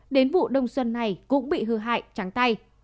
đến vụ đông xuân này cũng bị hư hại trắng tay